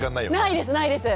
ないですないです。